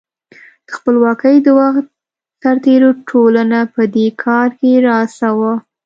د خپلواکۍ د وخت سرتېرو ټولنه په دې کار کې راس وه.